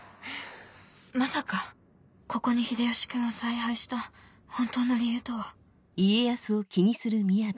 まさかここに秀吉君を采配した本当の理由とは